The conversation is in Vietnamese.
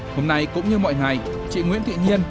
hôm nay cũng như mọi ngày chị nguyễn thị nhiên